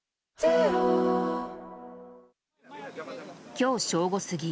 今日正午過ぎ